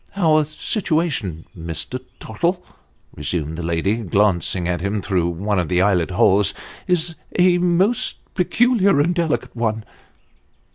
"Our situation, Mr. Tottle," resumed the lady, glancing at him through one of the eyelet holes, " is a most peculiar and delicate one."